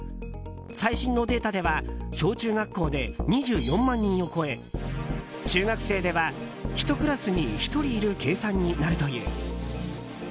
最新のデータでは小中学校で２４万人を超え中学生では１クラスに１人いる計算になるという。